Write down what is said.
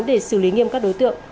để xử lý nghiêm các đối tượng